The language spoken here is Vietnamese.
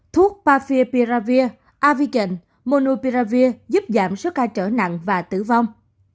thuốc paphiopiravir avigan monopiravir giúp giảm số ca trở nặng và tử vong